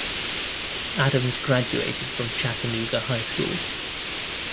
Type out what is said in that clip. Adams graduated from Chattanooga High School.